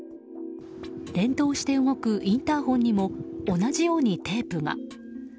連動して動くインターホンにも同じようにテープが。